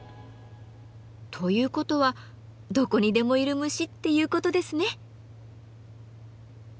ということはどこにでもいる虫っていうことですね。